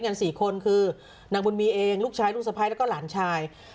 กัน๔คนคือนางบุญมีเองลูกชายลูกสะพ้ายแล้วก็หลานชาย